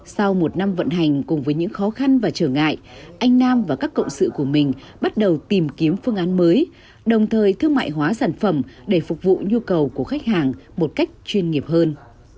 sau một năm vận hành cùng với những khó khăn và trở ngại anh nam và các cộng sự của mình bắt đầu tìm kiếm phương án mới đồng thời thương mại hóa sản phẩm để phục vụ nhu cầu của khách hàng một cách chuyên nghiệp hơn